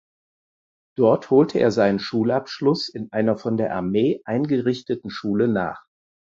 Dort holte er seinen Schulabschluss in einer von der Armee eingerichteten Schule nach.